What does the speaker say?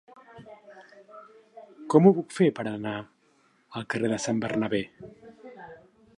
Com ho puc fer per anar al carrer de Sant Bernabé?